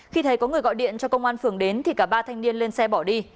khi thấy có người gọi điện cho công an phường đến thì cả ba thanh niên lên xe bỏ đi